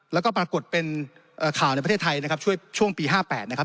แล้วก็ปรากฏเป็นข่าวในประเทศไทยนะครับช่วงปี๕๘นะครับ